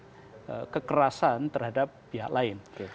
melakukan kekerasan terhadap pihak lain